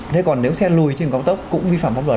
thế còn nếu xe lùi trên đường góc tốc cũng vi phạm pháp luật